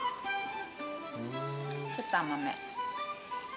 ちょっと甘め。